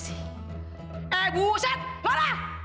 eh buset marah